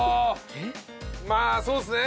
まあそうですね！